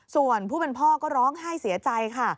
ส่วนผู้เป็นพ่อก็ร้องไห้เสียใจค่ะ